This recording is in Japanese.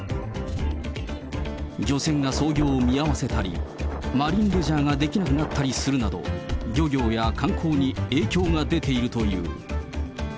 漁船が操業を見合わせたり、マリンレジャーができなくなったりするなど、漁業や観光に影響が出ているという。